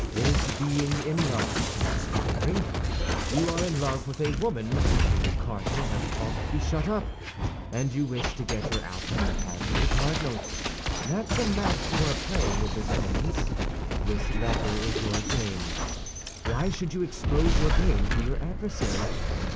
Is being in love conspiring? You are in love with a woman whom the cardinal has caused to be shut up, and you wish to get her out of the hands of the cardinal. That's a match you are playing with his Eminence; this letter is your game. Why should you expose your game to your adversary?